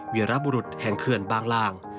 เวียระบุรุษแห่งเคือนบางล่าง